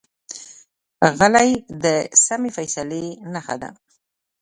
غلی، د سمې فیصلې نښه ده.